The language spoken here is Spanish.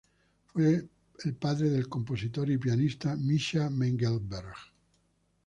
Fue el padre del compositor y pianista Misha Mengelberg.